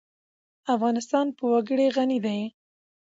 افغانستان په وګړي غني دی.